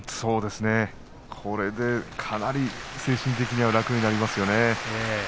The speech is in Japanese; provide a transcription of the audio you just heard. これでかなり精神的には楽になってきますよね。